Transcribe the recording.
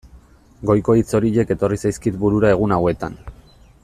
Goiko hitz horiek etorri zaizkit burura egun hauetan.